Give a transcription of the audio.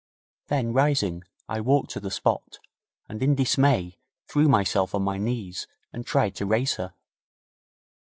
Then rising, I walked to the spot, and in dismay threw myself on my knees and tried to raise her.